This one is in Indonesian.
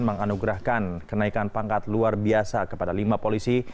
menganugerahkan kenaikan pangkat luar biasa kepada lima polisi